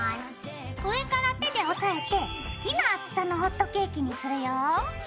上から手で押さえて好きな厚さのホットケーキにするよ。